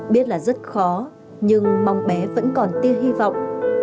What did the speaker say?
biết là rất khó nhưng mong bé vẫn còn tia hy vọng